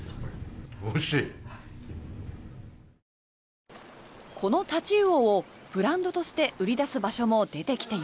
おいしい。